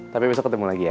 tapi besok ketemu lagi ya